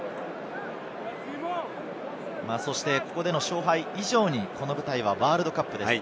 ここでの勝敗以上にこの舞台はワールドカップです。